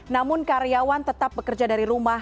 namun karyawan tetap bekerja dari rumah